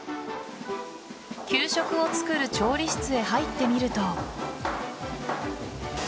給食を作る調理室へ入ってみると。